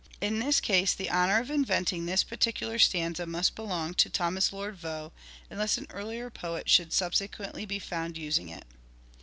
In this case the honour of inventing this particular stanza must belong to Thomas Lord Vaux unless an earlier poet should subsequently be found using it.